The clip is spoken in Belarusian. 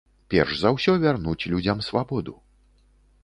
Перш за ўсё вярнуць людзям свабоду.